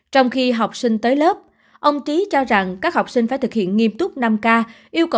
trong khi học sinh tới lớp ông trí cho rằng các học sinh phải thực hiện nghiêm túc năm k